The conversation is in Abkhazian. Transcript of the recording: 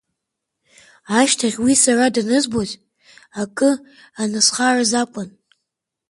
Ашьҭахьы уи сара данызбоз акы анысхараз акәын.